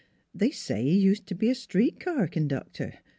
" They say he ust t' be a street car c'nductor.